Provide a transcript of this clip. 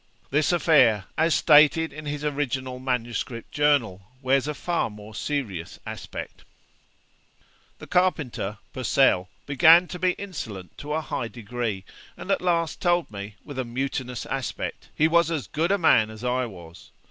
This affair, as stated in his original manuscript journal, wears a far more serious aspect. 'The carpenter (Purcell) began to be insolent to a high degree, and at last told me, with a mutinous aspect, he was as good a man as I was.